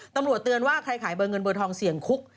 เตือนว่าใครขายเบอร์เงินเบอร์ทองเสี่ยงคุก